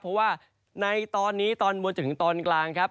เพราะว่าในตอนนี้ตอนบนจนถึงตอนกลางครับ